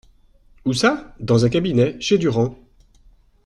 Où ça ? Dans un cabinet, chez Durand.